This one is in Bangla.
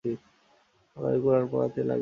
তাদের কুরআন পড়াতে লাগলেন।